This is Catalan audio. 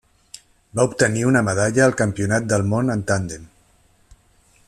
Va obtenir una medalla al Campionat del món en tàndem.